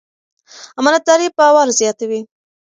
امانتداري باور زیاتوي.